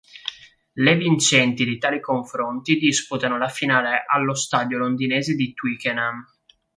Le vincenti di tali confronti disputano la finale allo stadio londinese di Twickenham.